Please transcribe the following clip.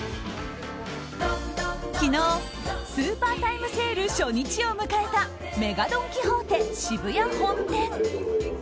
昨日、スーパータイムセール初日を迎えたＭＥＧＡドン・キホーテ渋谷本店。